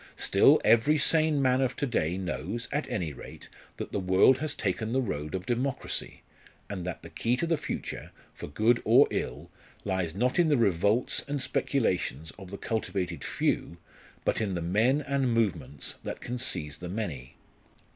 Still every sane man of to day knows, at any rate, that the world has taken the road of democracy, and that the key to the future, for good or ill, lies not in the revolts and speculations of the cultivated few, but in the men and movements that can seize the many.